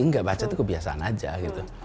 nggak baca itu kebiasaan aja gitu